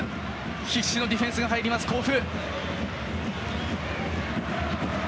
必死のディフェンスが入ります甲府。